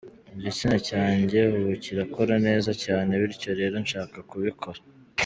Igitsina cyanjye ubu kirakora neza cyane, bityo rero nshaka kubikora.